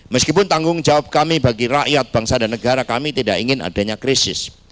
meskipun tanggung jawab kami bagi rakyat bangsa dan negara kami tidak ingin adanya krisis